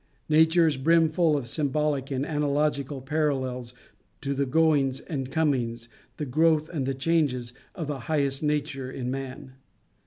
Nature is brimful of symbolic and analogical parallels to the goings and comings, the growth and the changes of the highest nature in man.